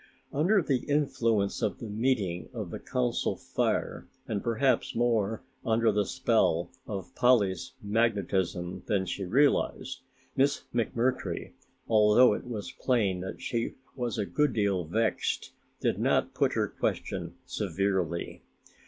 Under the influence of the meeting of the Council Fire and perhaps more under the spell of Polly's magnetism than she realized, Miss McMurtry, although it was plain that she was a good deal vexed, did not put her question severely.